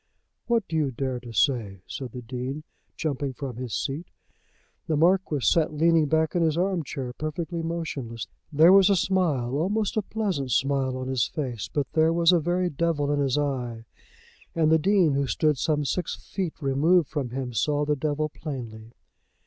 "What do you dare to say?" said the Dean, jumping from his seat. The Marquis sat leaning back in his arm chair, perfectly motionless. There was a smile, almost a pleasant smile on his face. But there was a very devil in his eye, and the Dean, who stood some six feet removed from him, saw the devil plainly.